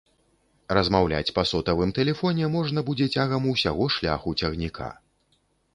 Размаўляць па сотавым тэлефоне можна будзе цягам усяго шляху цягніка.